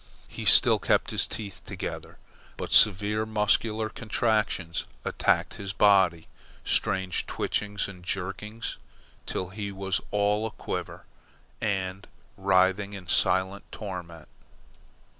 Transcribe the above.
He still kept his teeth together, but severe muscular contractions attacked his body, strange twitchings and jerkings, till he was all a quiver and writhing in silent torment.